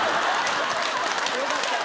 よかった。